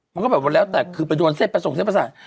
มันก็แบบแล้วแต่คือไปโดนเส้นประสาท